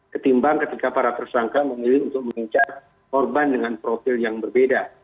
ketimbang ketika para tersangka memilih untuk mengincar korban dengan profil yang berbeda